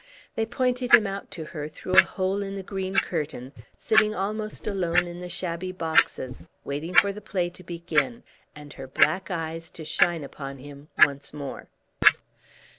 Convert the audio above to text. They pointed him out to her through a hole in the green curtain, sitting almost alone in the shabby boxes, waiting for the play to begin and her black eyes to shine upon him once more.